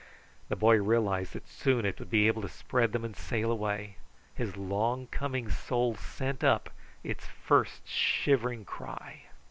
The boy realized that soon it would be able to spread them and sail away. His long coming soul sent up its first shivering cry.